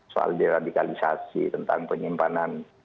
soal deradikalisasi tentang penyimpanan